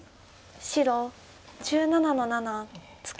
白１７の七ツケ。